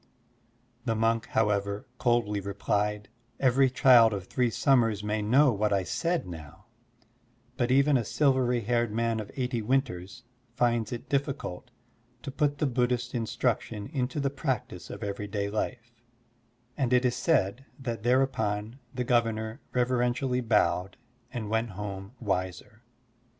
'' The monk, however, coldly replied: " Every child of three summers may know what I said now, but even a silvery haired man of eighty winters finds it difficult to put the Bud Digitized by Google 88. SERMONS OP A BUDDHIST ABBOT dhist instruction into the practice of everyday life.'' And it is said that thereupon the Governor reverentially bowed and went home wiser.